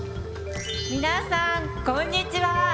皆さんこんにちは。